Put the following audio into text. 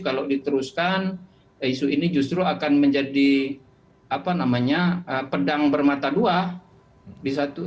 kalau diteruskan isu ini justru akan menjadi pedang bermata dua